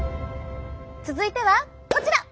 続いてはこちら！